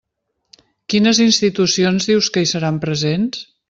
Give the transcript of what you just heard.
Quines institucions dius que hi seran presents?